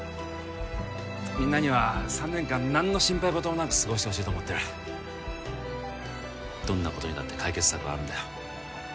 みんなには３年間何の心配ごともなくすごしてほしいと思ってるどんなことにだって解決策はあるんだよ